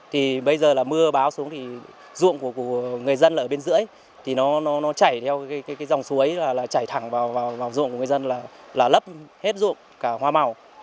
thì bây giờ là mưa báo xuống thì ruộng của người dân ở bên dưới thì nó chảy theo cái dòng suối là chảy thẳng vào ruộng của người dân là lấp hết dụng cả hoa màu